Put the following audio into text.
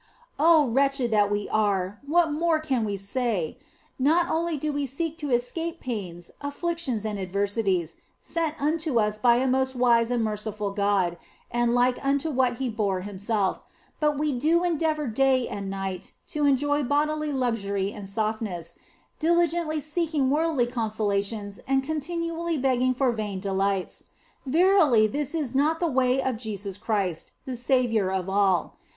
Oh, wretched that we are, what more can we say ? Not only do we seek to escape the pains, afflictions, and adversities, sent unto us by a most wise and merciful God (and like unto what He bore Himself), but we do endeavour day and night to enjoy bodily luxury and softness, diligently seeking worldly consolations and con tinually begging for vain delights. Verily, this is not the way of Jesus Christ, the Saviour of all.